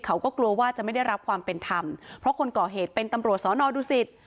เขาก็กลัวว่าจะไม่ได้รับความเป็นธรรมเพราะคนก่อเหตุเป็นตำรวจสอนอดูสิต